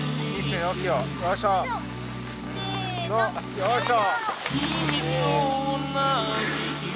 よいしょ！